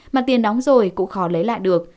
mà tiền đóng rồi cũng khó lấy lại được